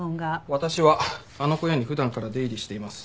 私はあの小屋に普段から出入りしています。